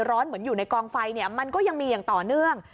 เหมือนอยู่ในกองไฟมันก็ยังมีอย่างต่อเนื่อง